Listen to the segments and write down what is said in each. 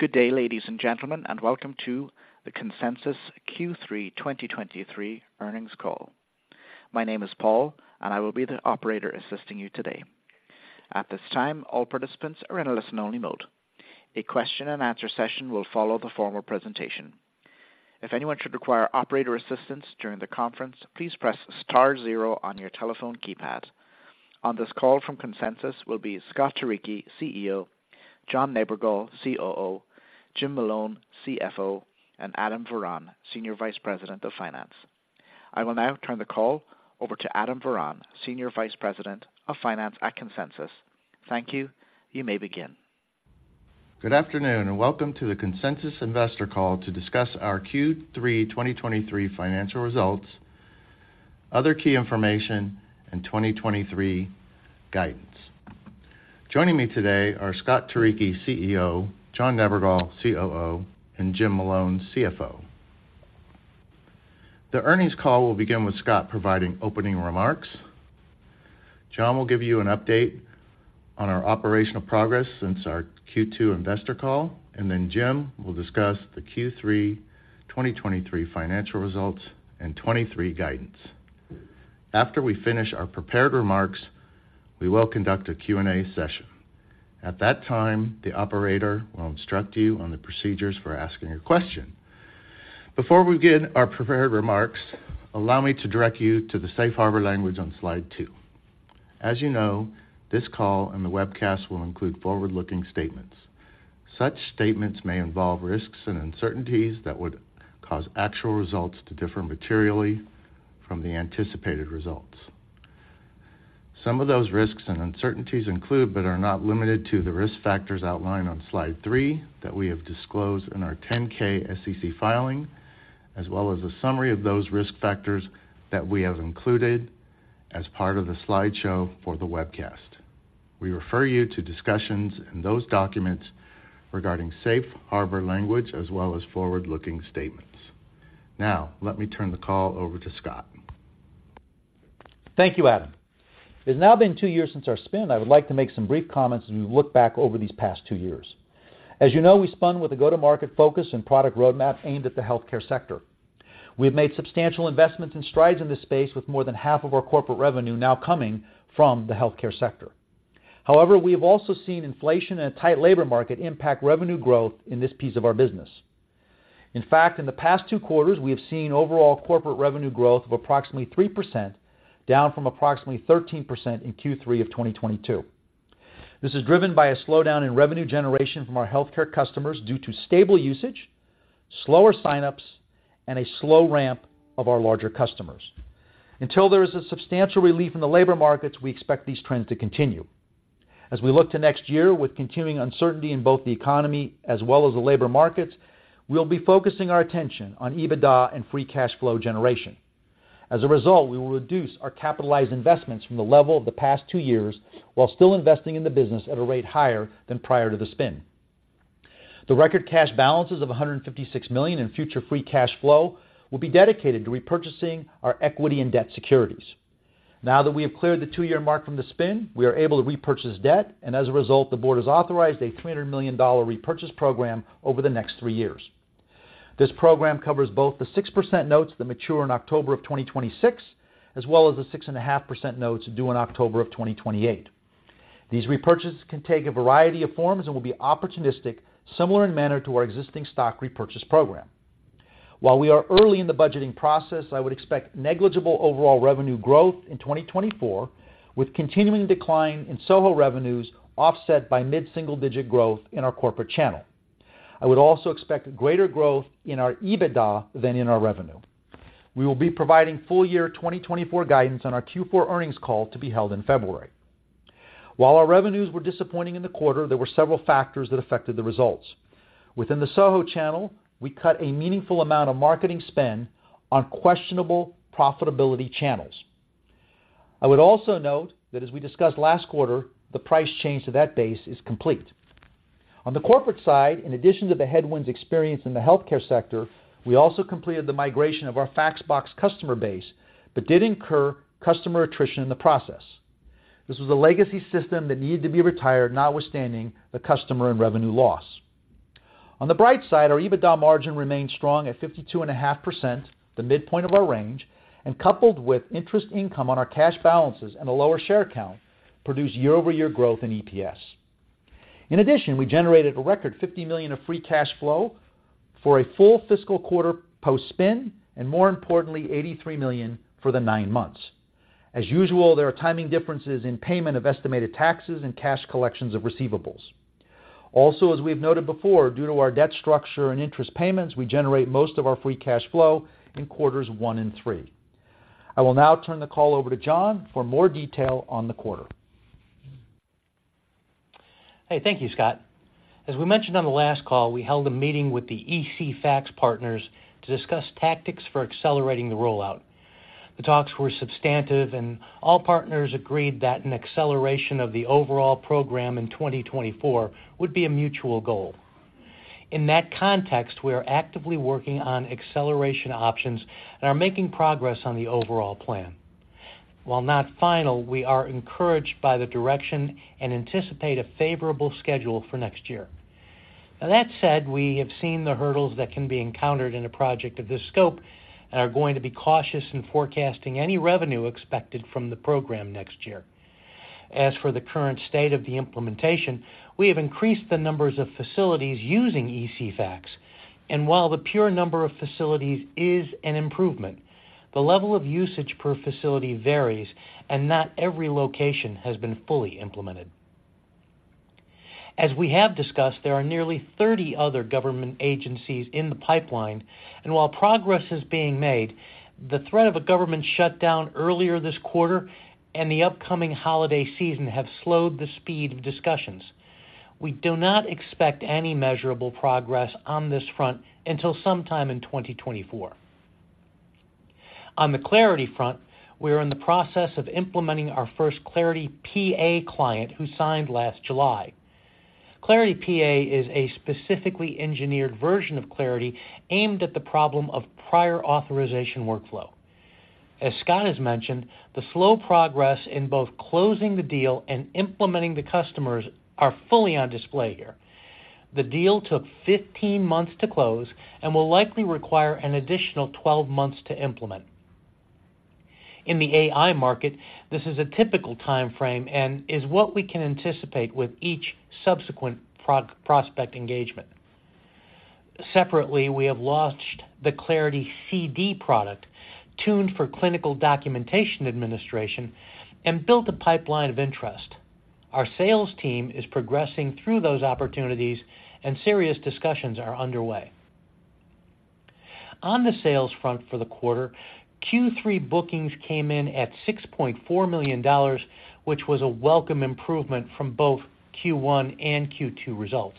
Good day, ladies and gentlemen, and welcome to the Consensus Q3 2023 earnings call. My name is Paul, and I will be the operator assisting you today. At this time, all participants are in a listen-only mode. A question and answer session will follow the formal presentation. If anyone should require operator assistance during the conference, please press star zero on your telephone keypad. On this call from Consensus will be Scott Turicchi, CEO, John Nebergall, COO, Jim Malone, CFO, and Adam Varon, Senior Vice President of Finance. I will now turn the call over to Adam Varon, Senior Vice President of Finance at Consensus. Thank you. You may begin. Good afternoon, and welcome to the Consensus investor call to discuss our Q3 2023 financial results, other key information, and 2023 guidance. Joining me today are Scott Turicchi, CEO, John Nebergall, COO, and Jim Malone, CFO. The earnings call will begin with Scott providing opening remarks. John will give you an update on our operational progress since our Q2 investor call, and then Jim will discuss the Q3 2023 financial results and 2023 guidance. After we finish our prepared remarks, we will conduct a Q&A session. At that time, the operator will instruct you on the procedures for asking your question. Before we begin our prepared remarks, allow me to direct you to the safe harbor language on slide 2. As you know, this call and the webcast will include forward-looking statements. Such statements may involve risks and uncertainties that would cause actual results to differ materially from the anticipated results. Some of those risks and uncertainties include, but are not limited to, the risk factors outlined on slide three that we have disclosed in our 10-K SEC filing, as well as a summary of those risk factors that we have included as part of the slideshow for the webcast. We refer you to discussions in those documents regarding safe harbor language, as well as forward-looking statements. Now, let me turn the call over to Scott. Thank you, Adam. It's now been two years since our spin, and I would like to make some brief comments as we look back over these past two years. As you know, we spun with a go-to-market focus and product roadmap aimed at the healthcare sector. We've made substantial investments and strides in this space, with more than half of our corporate revenue now coming from the healthcare sector. However, we have also seen inflation and a tight labor market impact revenue growth in this piece of our business. In fact, in the past two quarters, we have seen overall corporate revenue growth of approximately 3%, down from approximately 13% in Q3 of 2022. This is driven by a slowdown in revenue generation from our healthcare customers due to stable usage, slower sign-ups, and a slow ramp of our larger customers. Until there is a substantial relief in the labor markets, we expect these trends to continue. As we look to next year with continuing uncertainty in both the economy as well as the labor markets, we'll be focusing our attention on EBITDA and free cash flow generation. As a result, we will reduce our capitalized investments from the level of the past two years, while still investing in the business at a rate higher than prior to the spin. The record cash balances of $156 million in future free cash flow will be dedicated to repurchasing our equity and debt securities. Now that we have cleared the two-year mark from the spin, we are able to repurchase debt, and as a result, the board has authorized a $300 million repurchase program over the next three years. This program covers both the 6% notes that mature in October 2026, as well as the 6.5% notes due in October 2028. These repurchases can take a variety of forms and will be opportunistic, similar in manner to our existing stock repurchase program. While we are early in the budgeting process, I would expect negligible overall revenue growth in 2024, with continuing decline in SOHO revenues offset by mid-single-digit growth in our corporate channel. I would also expect greater growth in our EBITDA than in our revenue. We will be providing full year 2024 guidance on our Q4 earnings call to be held in February. While our revenues were disappointing in the quarter, there were several factors that affected the results. Within the SOHO channel, we cut a meaningful amount of marketing spend on questionable profitability channels. I would also note that as we discussed last quarter, the price change to that base is complete. On the corporate side, in addition to the headwinds experienced in the healthcare sector, we also completed the migration of our FaxBox customer base, but did incur customer attrition in the process. This was a legacy system that needed to be retired, notwithstanding the customer and revenue loss. On the bright side, our EBITDA margin remained strong at 52.5%, the midpoint of our range, and coupled with interest income on our cash balances and a lower share count, produced year-over-year growth in EPS. In addition, we generated a record $50 million of free cash flow for a full fiscal quarter post-spin, and more importantly, $83 million for the nine months. As usual, there are timing differences in payment of estimated taxes and cash collections of receivables. Also, as we have noted before, due to our debt structure and interest payments, we generate most of our free cash flow in quarters one and three. I will now turn the call over to John for more detail on the quarter. Hey, thank you, Scott. As we mentioned on the last call, we held a meeting with the ECFax partners to discuss tactics for accelerating the rollout. The talks were substantive, and all partners agreed that an acceleration of the overall program in 2024 would be a mutual goal. In that context, we are actively working on acceleration options and are making progress on the overall plan. ... While not final, we are encouraged by the direction and anticipate a favorable schedule for next year. Now, that said, we have seen the hurdles that can be encountered in a project of this scope, and are going to be cautious in forecasting any revenue expected from the program next year. As for the current state of the implementation, we have increased the numbers of facilities using ECFax, and while the pure number of facilities is an improvement, the level of usage per facility varies, and not every location has been fully implemented. As we have discussed, there are nearly 30 other government agencies in the pipeline, and while progress is being made, the threat of a government shutdown earlier this quarter and the upcoming holiday season have slowed the speed of discussions. We do not expect any measurable progress on this front until sometime in 2024. On the Clarity front, we are in the process of implementing our first Clarity PA client, who signed last July. Clarity PA is a specifically engineered version of Clarity aimed at the problem of prior authorization workflow. As Scott has mentioned, the slow progress in both closing the deal and implementing the customers are fully on display here. The deal took 15 months to close and will likely require an additional 12 months to implement. In the AI market, this is a typical timeframe and is what we can anticipate with each subsequent prospect engagement. Separately, we have launched the Clarity CD product, tuned for clinical documentation administration and built a pipeline of interest. Our sales team is progressing through those opportunities, and serious discussions are underway. On the sales front for the quarter, Q3 bookings came in at $6.4 million, which was a welcome improvement from both Q1 and Q2 results.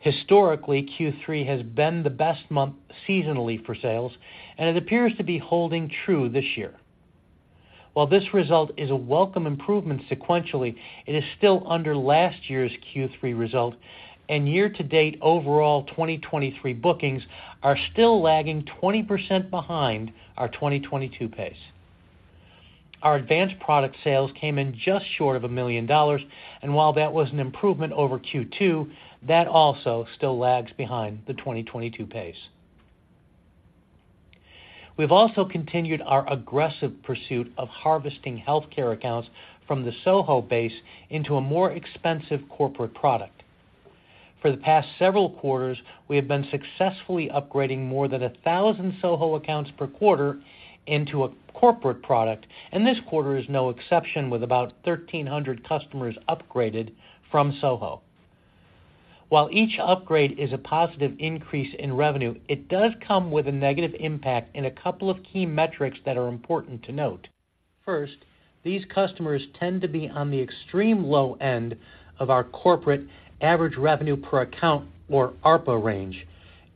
Historically, Q3 has been the best month seasonally for sales, and it appears to be holding true this year. While this result is a welcome improvement sequentially, it is still under last year's Q3 result, and year to date, overall, 2023 bookings are still lagging 20% behind our 2022 pace. Our advanced product sales came in just short of $1 million, and while that was an improvement over Q2, that also still lags behind the 2022 pace. We've also continued our aggressive pursuit of harvesting healthcare accounts from the SOHO base into a more expensive corporate product. For the past several quarters, we have been successfully upgrading more than 1,000 SOHO accounts per quarter into a corporate product, and this quarter is no exception, with about 1,300 customers upgraded from SOHO. While each upgrade is a positive increase in revenue, it does come with a negative impact in a couple of key metrics that are important to note. First, these customers tend to be on the extreme low end of our corporate average revenue per account, or ARPA range,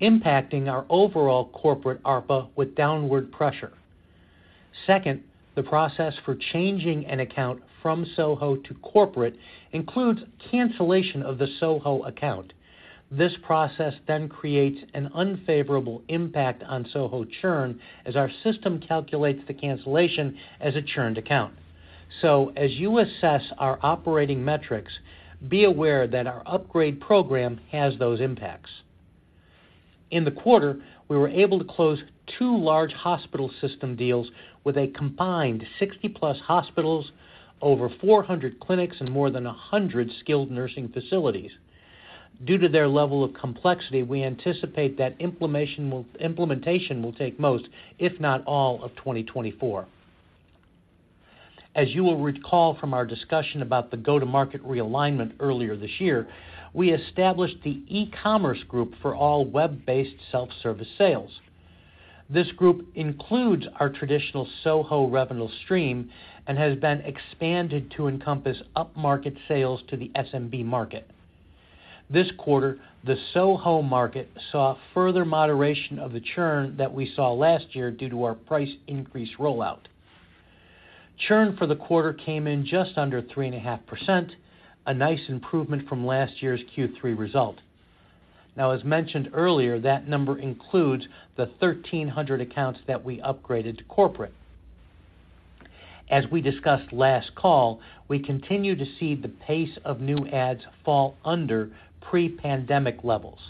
impacting our overall corporate ARPA with downward pressure. Second, the process for changing an account from SOHO to corporate includes cancellation of the SOHO account. This process then creates an unfavorable impact on SOHO churn, as our system calculates the cancellation as a churned account. So as you assess our operating metrics, be aware that our upgrade program has those impacts. In the quarter, we were able to close two large hospital system deals with a combined 60+ hospitals, over 400 clinics, and more than 100 skilled nursing facilities. Due to their level of complexity, we anticipate that implementation will take most, if not all, of 2024. As you will recall from our discussion about the go-to-market realignment earlier this year, we established the e-commerce group for all web-based self-service sales. This group includes our traditional SOHO revenue stream and has been expanded to encompass upmarket sales to the SMB market. This quarter, the SOHO market saw a further moderation of the churn that we saw last year due to our price increase rollout. Churn for the quarter came in just under 3.5%, a nice improvement from last year's Q3 result. Now, as mentioned earlier, that number includes the 1,300 accounts that we upgraded to corporate. As we discussed last call, we continue to see the pace of new adds fall under pre-pandemic levels.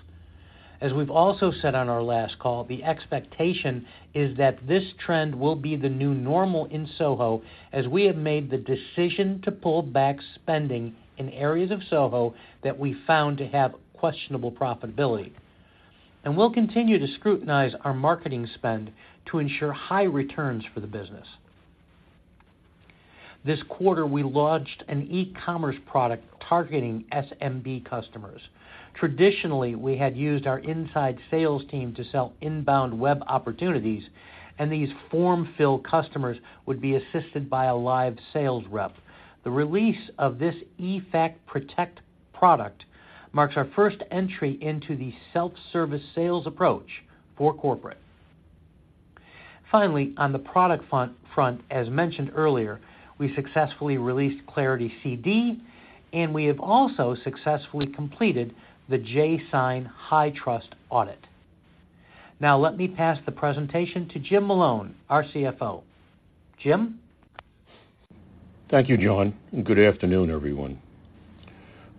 As we've also said on our last call, the expectation is that this trend will be the new normal in SOHO as we have made the decision to pull back spending in areas of SOHO that we found to have questionable profitability. And we'll continue to scrutinize our marketing spend to ensure high returns for the business. This quarter, we launched an e-commerce product targeting SMB customers. Traditionally, we had used our inside sales team to sell inbound web opportunities, and these form fill customers would be assisted by a live sales rep. The release of this eFax Protect product marks our first entry into the self-service sales approach for corporate. Finally, on the product front, as mentioned earlier, we successfully released Clarity CD, and we have also successfully completed the jSign HITRUST audit. Now let me pass the presentation to Jim Malone, our CFO. Jim? Thank you, John, and good afternoon, everyone.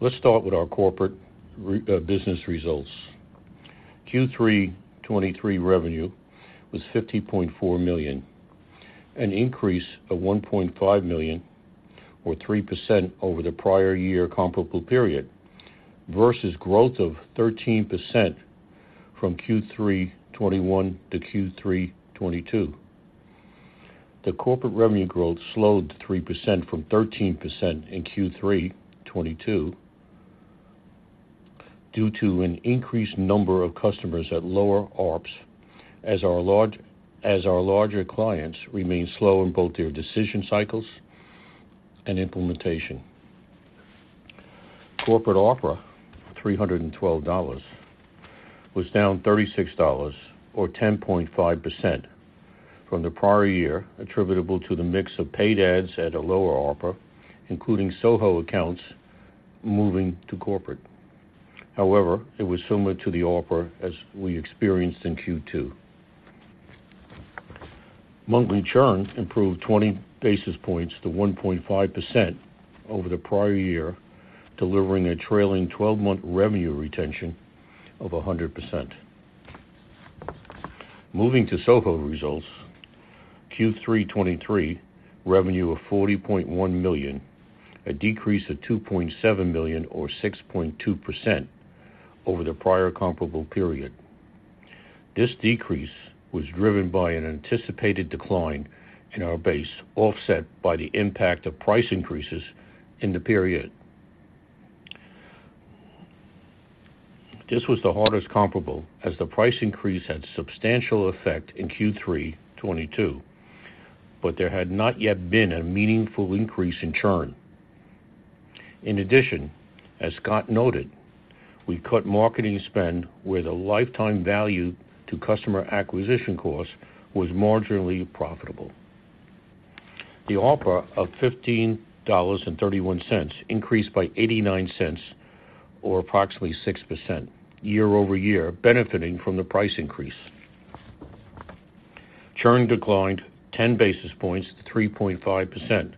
Let's start with our corporate business results. Q3 2023 revenue was $50.4 million, an increase of $1.5 million, or 3% over the prior year comparable period, versus growth of 13% from Q3 2021-Q3 2022. The corporate revenue growth slowed to 3% from 13% in Q3 2022, due to an increased number of customers at lower ARPS, as our large, as our larger clients remain slow in both their decision cycles and implementation. Corporate ARPA, $312, was down $36 or 10.5% from the prior year, attributable to the mix of paid ads at a lower ARPA, including SOHO accounts moving to corporate. However, it was similar to the ARPA as we experienced in Q2. Monthly churn improved 20 basis points to 1.5% over the prior year, delivering a trailing 12-month revenue retention of 100%. Moving to SOHO results. Q3 2023, revenue of $40.1 million, a decrease of $2.7 million, or 6.2% over the prior comparable period. This decrease was driven by an anticipated decline in our base, offset by the impact of price increases in the period. This was the hardest comparable, as the price increase had substantial effect in Q3 2022, but there had not yet been a meaningful increase in churn. In addition, as Scott noted, we cut marketing spend, where the lifetime value to customer acquisition cost was marginally profitable. The ARPA of $15.31 increased by $0.89 or approximately 6% year-over-year, benefiting from the price increase. Churn declined 10 basis points to 3.5%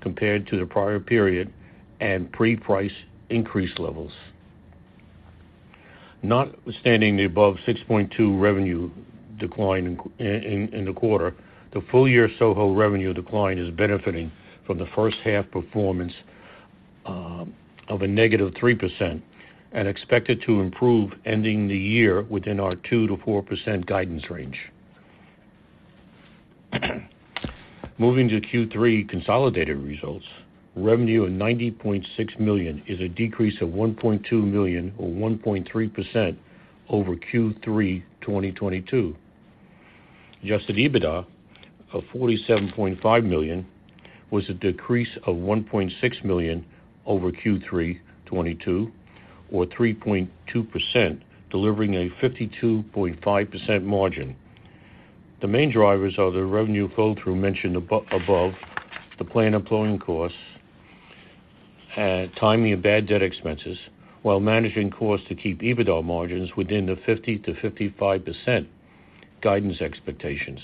compared to the prior period and pre-price increase levels. Notwithstanding the above 6.2 revenue decline in the quarter, the full year SOHO revenue decline is benefiting from the first half performance of a negative 3% and expected to improve ending the year within our 2%-4% guidance range. Moving to Q3 consolidated results. Revenue of $90.6 million is a decrease of $1.2 million or 1.3% over Q3 2022. Adjusted EBITDA of $47.5 million was a decrease of $1.6 million over Q3 2022 or 3.2%, delivering a 52.5% margin. The main drivers are the revenue flow through mentioned above, the planned employment costs, timing of bad debt expenses, while managing costs to keep EBITDA margins within the 50%-55% guidance expectations.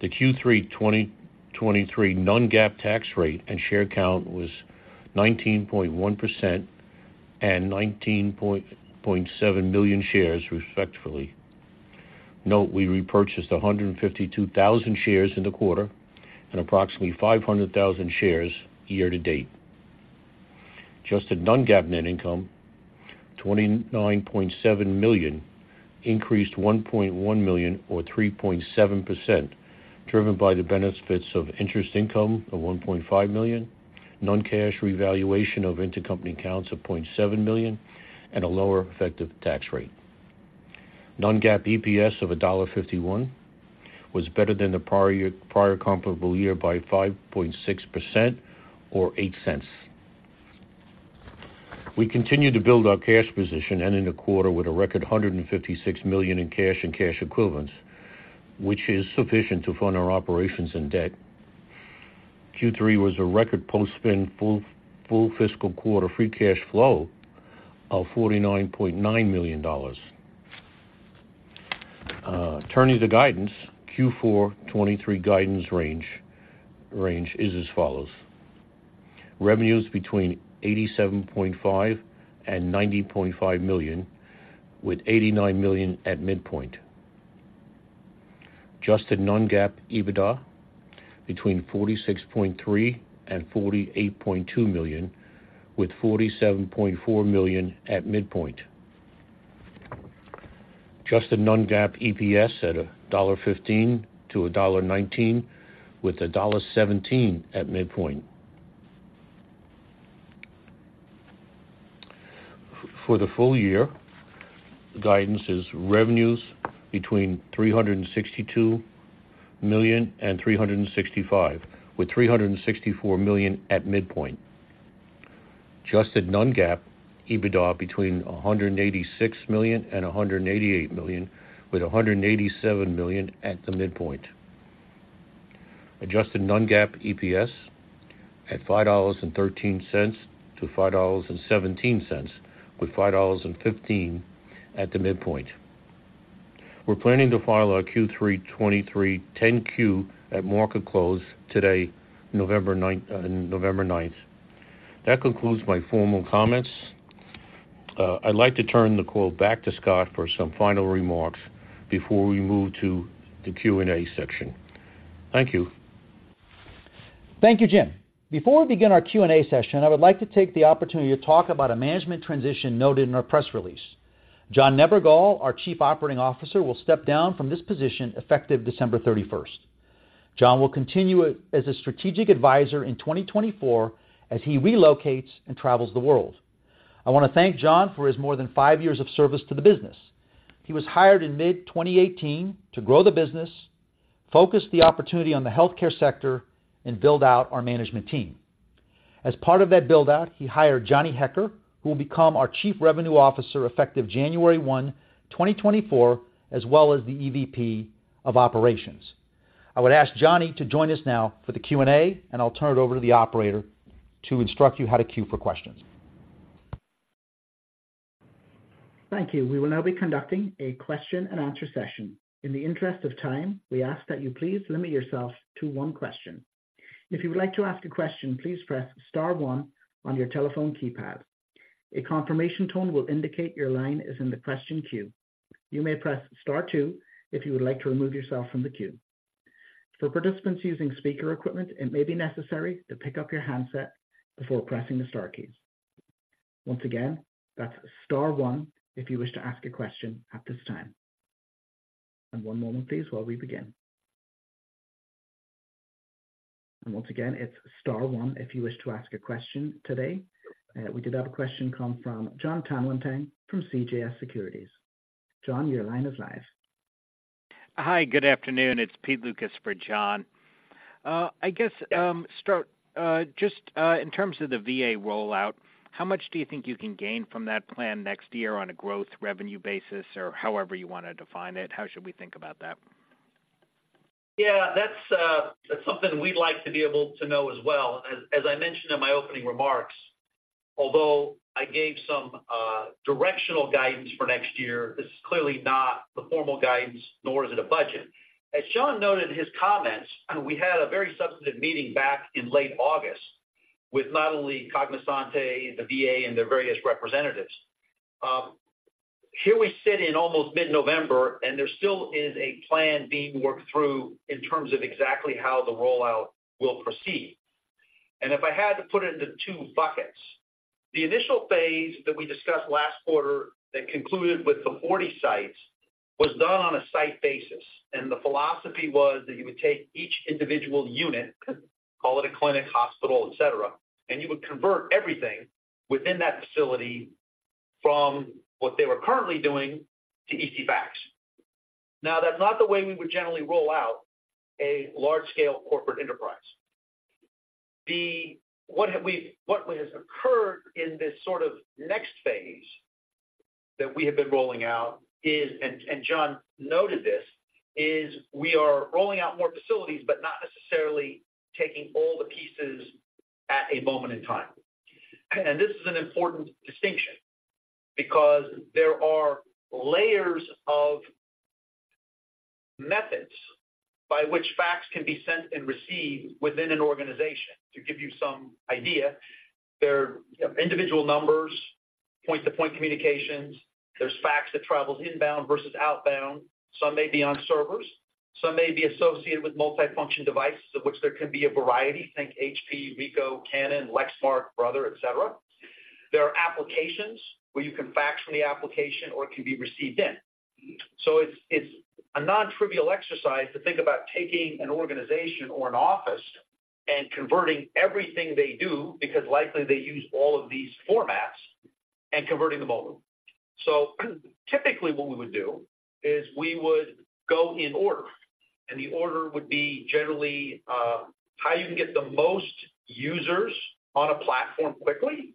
The Q3 2023 non-GAAP tax rate and share count was 19.1% and 19.7 million shares, respectively. Note: We repurchased 152,000 shares in the quarter and approximately 500,000 shares year to date. Adjusted non-GAAP net income, $29.7 million, increased $1.1 million, or 3.7%, driven by the benefits of interest income of $1.5 million, non-cash revaluation of intercompany accounts of $0.7 million, and a lower effective tax rate. Non-GAAP EPS of $1.51 was better than the prior comparable year by 5.6% or $0.08. We continued to build our cash position, ending the quarter with a record $156 million in cash and cash equivalents, which is sufficient to fund our operations and debt. Q3 was a record post-spin full fiscal quarter free cash flow of $49.9 million. Turning to guidance, Q4 2023 guidance range is as follows: revenues between $87.5 million and $90.5 million, with $89 million at midpoint. Adjusted non-GAAP EBITDA between $46.3 million and $48.2 million, with $47.4 million at midpoint. Adjusted non-GAAP EPS at $1.15-$1.19, with $1.17 at midpoint. For the full year, the guidance is revenues between $362 million and $365 million, with $364 million at midpoint. Adjusted non-GAAP EBITDA between $186 million and $188 million, with $187 million at the midpoint. Adjusted non-GAAP EPS at $5.13-$5.17, with $5.15 at the midpoint. We're planning to file our Q3 2023 10-Q at market close today, November ninth. That concludes my formal comments. I'd like to turn the call back to Scott for some final remarks before we move to the Q&A section. Thank you. Thank you, Jim. Before we begin our Q&A session, I would like to take the opportunity to talk about a management transition noted in our press release. John Nebergall, our Chief Operating Officer, will step down from this position effective December 31. John will continue as a strategic advisor in 2024 as he relocates and travels the world. I want to thank John for his more than 5 years of service to the business. He was hired in mid-2018 to grow the business, focus the opportunity on the healthcare sector, and build out our management team. As part of that build-out, he hired Johnny Hecker, who will become our Chief Revenue Officer effective January 1, 2024, as well as the EVP of Operations. I would ask Johnny to join us now for the Q&A, and I'll turn it over to the operator to instruct you how to queue for questions. Thank you. We will now be conducting a question-and-answer session. In the interest of time, we ask that you please limit yourself to one question. If you would like to ask a question, please press star one on your telephone keypad. A confirmation tone will indicate your line is in the question queue. You may press star two if you would like to remove yourself from the queue. For participants using speaker equipment, it may be necessary to pick up your handset before pressing the star keys. Once again, that's star one if you wish to ask a question at this time. One moment please while we begin. Once again, it's star one if you wish to ask a question today. We did have a question come from John Tanwanteng from CJS Securities. John, your line is live. Hi, good afternoon. It's Pete Lukas for John. I guess, start, just, in terms of the VA rollout, how much do you think you can gain from that plan next year on a growth revenue basis or however you want to define it? How should we think about that? Yeah, that's something we'd like to be able to know as well. As I mentioned in my opening remarks, although I gave some directional guidance for next year, this is clearly not the formal guidance, nor is it a budget. As John noted in his comments, and we had a very substantive meeting back in late August with not only Cognosante, the VA, and their various representatives. Here we sit in almost mid-November, and there still is a plan being worked through in terms of exactly how the rollout will proceed. And if I had to put it into two buckets, the initial phase that we discussed last quarter that concluded with the 40 sites, was done on a site basis, and the philosophy was that you would take each individual unit, call it a clinic, hospital, et cetera, and you would convert everything within that facility from what they were currently doing to ECFax. Now, that's not the way we would generally roll out a large-scale corporate enterprise. What has occurred in this sort of next phase that we have been rolling out is, and, and John noted this, is we are rolling out more facilities, but not necessarily taking all the pieces at a moment in time. And this is an important distinction because there are layers of methods by which fax can be sent and received within an organization. To give you some idea, there are individual numbers, point-to-point communications. There's faxes that travel inbound versus outbound. Some may be on servers, some may be associated with multifunction devices, of which there can be a variety. Think HP, Ricoh, Canon, Lexmark, Brother, et cetera. There are applications where you can fax from the application or it can be received in. So it's a nontrivial exercise to think about taking an organization or an office and converting everything they do, because likely they use all of these formats, and converting them all. So typically, what we would do is we would go in order, and the order would be generally how you can get the most users on a platform quickly,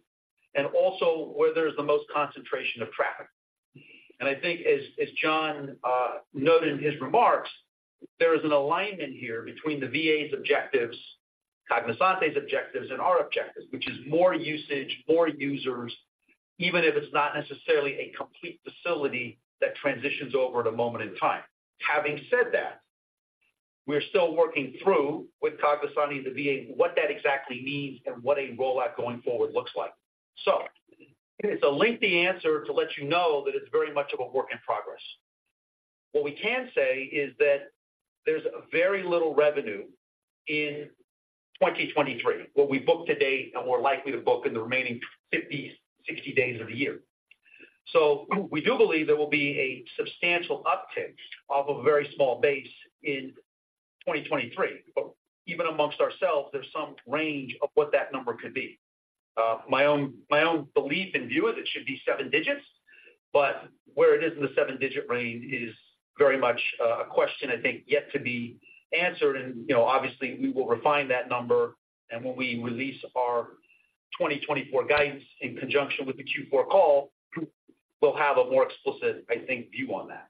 and also where there's the most concentration of traffic. I think as, as John noted in his remarks, there is an alignment here between the VA's objectives, Cognosante's objectives, and our objectives, which is more usage, more users, even if it's not necessarily a complete facility that transitions over at a moment in time. Having said that, we're still working through with Cognosante and the VA, what that exactly means and what a rollout going forward looks like. So it's a lengthy answer to let you know that it's very much of a work in progress. What we can say is that there's very little revenue in 2023, what we booked to date, and we're likely to book in the remaining 50-60 days of the year. So we do believe there will be a substantial uptick of a very small base in 2023. But even amongst ourselves, there's some range of what that number could be. My own, my own belief and view is it should be seven digits, but where it is in the seven-digit range is very much a question, I think, yet to be answered. And you know, obviously, we will refine that number and when we release our 2024 guidance in conjunction with the Q4 call, we'll have a more explicit, I think, view on that.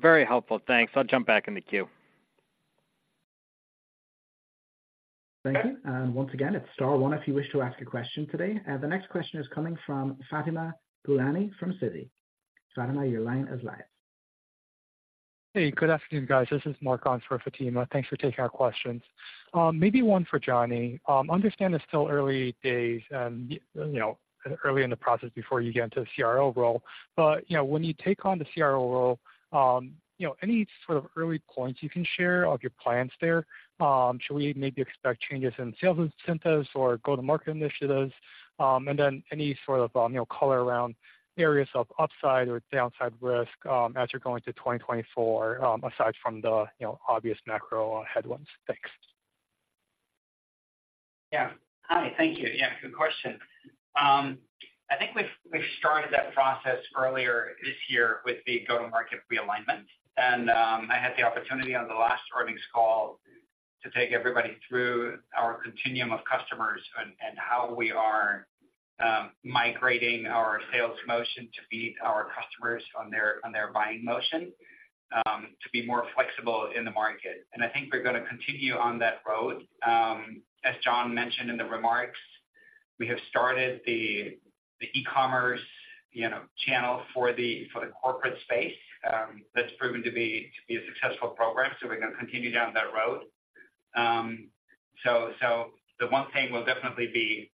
Very helpful. Thanks. I'll jump back in the queue. Thank you. Once again, it's star one if you wish to ask a question today. The next question is coming from Fatima Boolani from Citi. Fatima, your line is live. Hey, good afternoon, guys. This is Mark on for Fatima. Thanks for taking our questions. Maybe one for Johnny. Understand it's still early days and, you know, early in the process before you get into the CRO role, but, you know, when you take on the CRO role, you know, any sort of early points you can share of your plans there? Should we maybe expect changes in sales incentives or go-to-market initiatives? And then any sort of, you know, color around areas of upside or downside risk, as you're going to 2024, aside from the, you know, obvious macro headwinds? Thanks. Yeah. Hi. Thank you. Yeah, good question. I think we've, we've started that process earlier this year with the go-to-market realignment. And I had the opportunity on the last earnings call to take everybody through our continuum of customers and how we are migrating our sales motion to meet our customers on their buying motion to be more flexible in the market. And I think we're going to continue on that road. As John mentioned in the remarks, we have started the e-commerce, you know, channel for the corporate space. That's proven to be a successful program, so we're going to continue down that road. So the one thing will definitely be,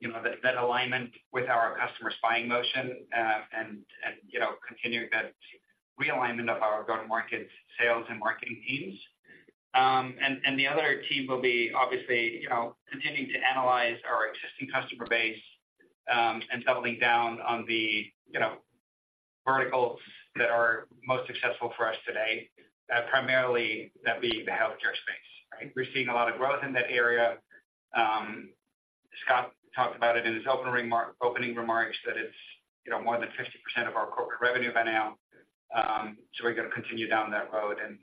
you know, that alignment with our customer's buying motion, and you know, continuing that realignment of our go-to-market sales and marketing teams. And the other thing will be obviously, you know, continuing to analyze our existing customer base, and doubling down on the, you know, verticals that are most successful for us today, primarily that being the healthcare space, right? We're seeing a lot of growth in that area. Scott talked about it in his opening remarks that it's, you know, more than 50% of our corporate revenue by now. So we're going to continue down that road and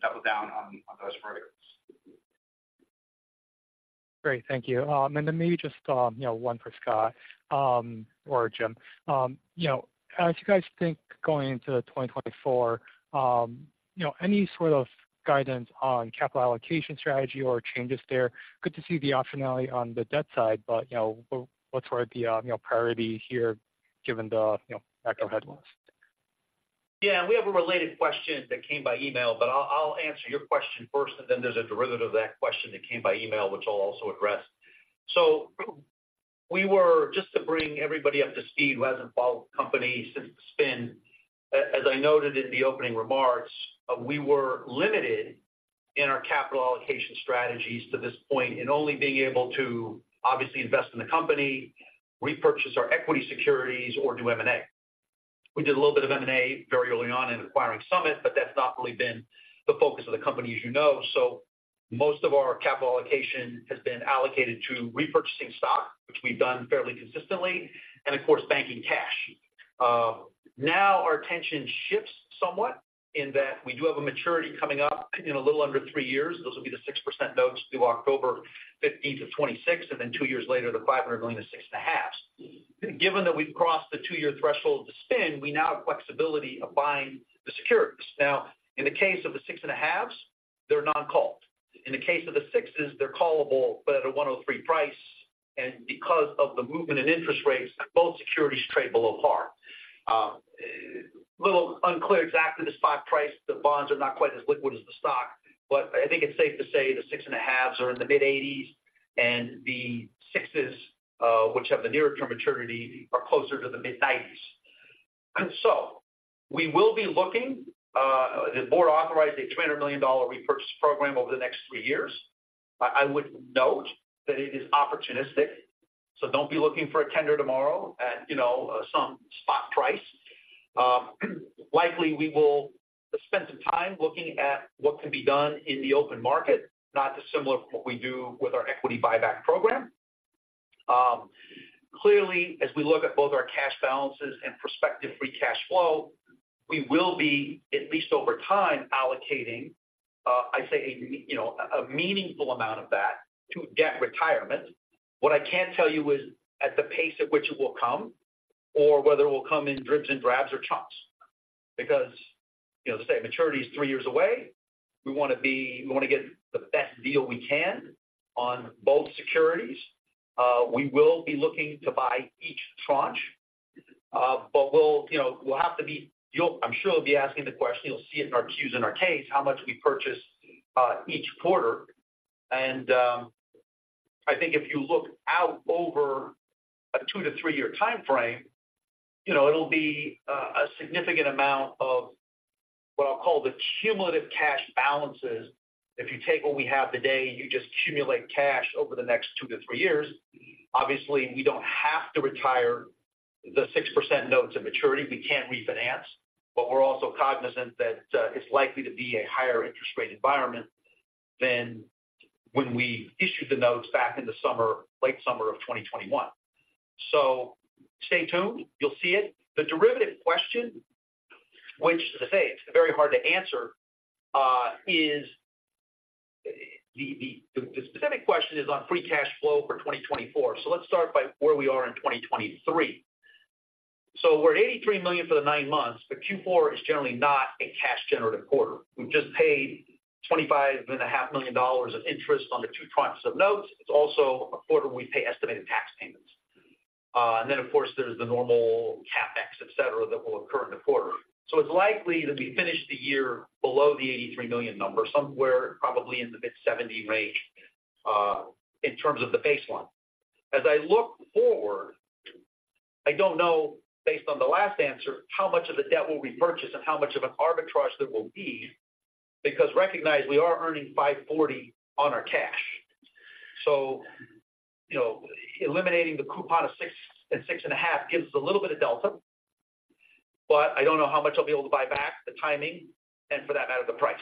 double down on those verticals. Great. Thank you. And then maybe just, you know, one for Scott or Jim. You know, as you guys think going into 2024, you know, any sort of guidance on capital allocation strategy or changes there? Good to see the optionality on the debt side, but, you know, what, what's sort of the, you know, priority here given the, you know, macro headwinds? Yeah, and we have a related question that came by email, but I'll answer your question first, and then there's a derivative of that question that came by email, which I'll also address. So we were... Just to bring everybody up to speed who hasn't followed the company since the spin, as I noted in the opening remarks, we were limited in our capital allocation strategies to this point in only being able to obviously invest in the company, repurchase our equity securities, or do M&A. We did a little bit of M&A very early on in acquiring Summit, but that's not really been the focus of the company, as you know. So most of our capital allocation has been allocated to repurchasing stock, which we've done fairly consistently, and of course, banking cash. Now our attention shifts somewhat in that we do have a maturity coming up in a little under three years. Those will be the 6% notes due October 15, 2026, and then two years later, the $500 million of 6.5%. Given that we've crossed the 2-year threshold of the spin, we now have flexibility of buying the securities. Now, in the case of the 6.5%, they're non-called. In the case of the 6%, they're callable, but at a 103 price, and because of the movement in interest rates, both securities trade below par. A little unclear exactly the spot price. The bonds are not quite as liquid as the stock, but I think it's safe to say the 6.5s are in the mid-80s, and the 6s, which have the nearer term maturity, are closer to the mid-90s. And so we will be looking, the board authorized a $200 million repurchase program over the next 3 years. I, I would note that it is opportunistic, so don't be looking for a tender tomorrow at, you know, some spot price. Likely, we will spend some time looking at what can be done in the open market, not dissimilar from what we do with our equity buyback program. Clearly, as we look at both our cash balances and prospective free cash flow, we will be, at least over time, allocating, I'd say, a, you know, a meaningful amount of that to debt retirement. What I can't tell you is at the pace at which it will come or whether it will come in dribs and drabs or chunks, because, you know, the state maturity is 3 years away. We want to get the best deal we can on both securities. We will be looking to buy each tranche, but we'll, you know, we'll have to be. I'm sure you'll be asking the question, you'll see it in our Q's in our case, how much we purchase, each quarter. I think if you look out over a 2- to 3-year time frame, you know, it'll be a significant amount of what I'll call the cumulative cash balances. If you take what we have today, you just accumulate cash over the next 2 to 3 years. Obviously, we don't have to retire the 6% notes of maturity. We can't refinance, but we're also cognizant that it's likely to be a higher interest rate environment than when we issued the notes back in the summer, late summer of 2021. So stay tuned. You'll see it. The derivative question, which as I say, it's very hard to answer, is the specific question on free cash flow for 2024. So let's start by where we are in 2023. So we're at $83 million for the nine months, but Q4 is generally not a cash generative quarter. We've just paid $25.5 million of interest on the two tranches of notes. It's also a quarter where we pay estimated tax payments. And then, of course, there's the normal CapEx, et cetera, that will occur in the quarter. So it's likely that we finish the year below the $83 million number, somewhere probably in the mid-$70 million range, in terms of the baseline. As I look forward, I don't know, based on the last answer, how much of the debt we'll repurchase and how much of an arbitrage there will be, because recognize we are earning 5.40 on our cash. So, you know, eliminating the coupon of 6 and 6.5 gives us a little bit of delta, but I don't know how much I'll be able to buy back, the timing, and for that matter, the price.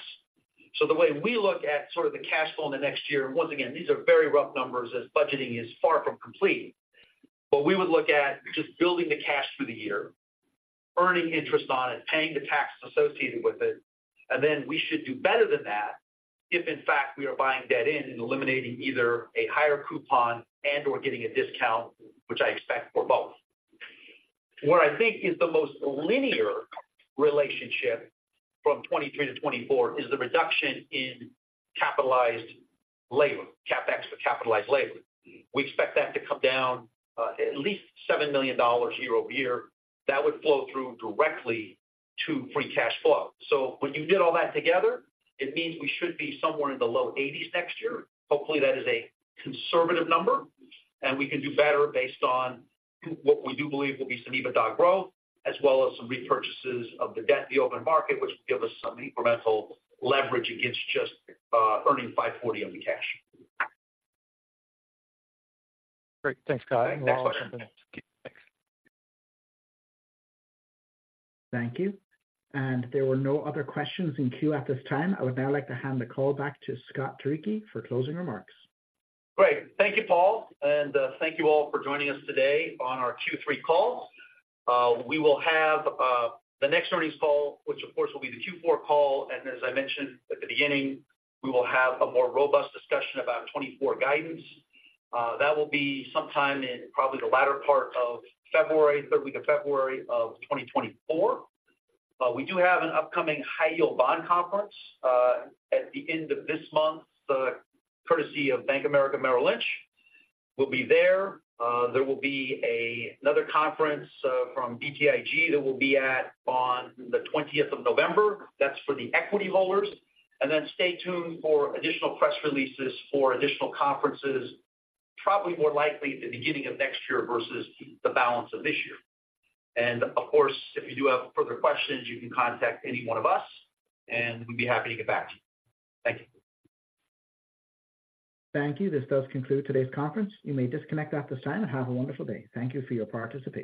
So the way we look at sort of the cash flow in the next year, and once again, these are very rough numbers as budgeting is far from complete. But we would look at just building the cash for the year, earning interest on it, paying the taxes associated with it, and then we should do better than that if, in fact, we are buying debt in and eliminating either a higher coupon and/or getting a discount, which I expect for both. What I think is the most linear relationship from 2023 to 2024 is the reduction in capitalized labor, CapEx for capitalized labor. We expect that to come down at least $7 million year-over-year. That would flow through directly to free cash flow. So when you get all that together, it means we should be somewhere in the low 80s next year. Hopefully, that is a conservative number, and we can do better based on what we do believe will be some EBITDA growth, as well as some repurchases of the debt in the open market, which will give us some incremental leverage against just earning 5.40 on the cash. Great. Thanks, Guy. Next question. Thank you. There were no other questions in queue at this time. I would now like to hand the call back to Scott Turicchi for closing remarks. Great. Thank you, Paul, and, thank you all for joining us today on our Q3 call. We will have the next earnings call, which of course, will be the Q4 call. And as I mentioned at the beginning, we will have a more robust discussion about 2024 guidance. That will be sometime in probably the latter part of February, third week of February of 2024. We do have an upcoming high yield bond conference at the end of this month, courtesy of Bank of America Merrill Lynch. We'll be there. There will be another conference from BTIG that we'll be at on the 20th of November. That's for the equity holders. And then stay tuned for additional press releases for additional conferences, probably more likely at the beginning of next year versus the balance of this year. Of course, if you do have further questions, you can contact any one of us, and we'd be happy to get back to you. Thank you. Thank you. This does conclude today's conference. You may disconnect at this time, and have a wonderful day. Thank you for your participation.